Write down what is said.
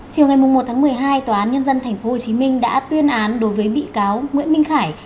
chiều ngày một một mươi hai tòa án nhân dân tp hcm đã tuyên án đối với bị cáo nguyễn minh khải